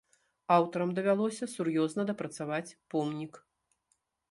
Аўтарам давялося сур'ёзна дапрацаваць помнік.